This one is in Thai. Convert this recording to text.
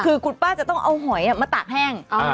คือคุณป้าจะต้องเอาหอยมาตากแห้ง